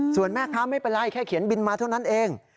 ส่วนแม่ค้าไม่เป็นไรแค่เขียนบินมาเท่านั้นเอง